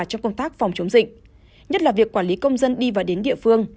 trong công tác phòng chống dịch nhất là việc quản lý công dân đi và đến địa phương